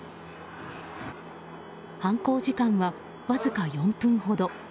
犯行時間はわずか４分ほど。